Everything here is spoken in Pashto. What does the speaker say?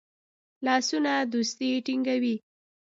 لاسونه دوستی ټینګوي